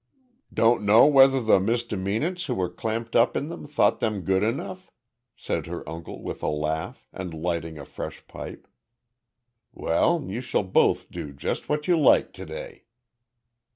"Don't know whether the misdemeanants who were clamped up in them thought them good enough?" said her uncle with a laugh, and lighting a fresh pipe. "Well, you shall both do just what you like to day."